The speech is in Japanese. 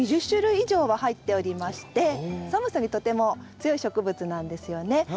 ２０種類以上は入っておりまして寒さにとても強い植物なんですよね。